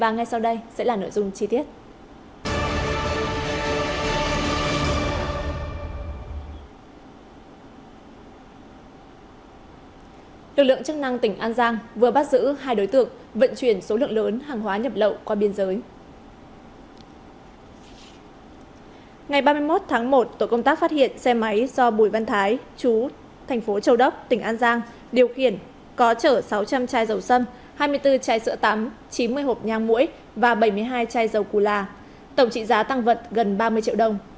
ngày ba mươi một tháng một tổ công tác phát hiện xe máy do bùi văn thái chú thành phố châu đốc tỉnh an giang điều khiển có chở sáu trăm linh chai dầu xâm hai mươi bốn chai sữa tắm chín mươi hộp nhang mũi và bảy mươi hai chai dầu cù la tổng trị giá tăng vận gần ba mươi triệu đồng